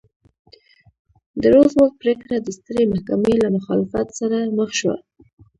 د روزولټ پرېکړه د سترې محکمې له مخالفت سره مخ شوه.